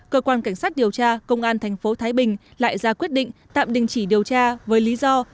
cơ quan cảnh sát điều tra công an thành phố thái bình lại ra quyết định tạm đình chỉ điều tra với lý do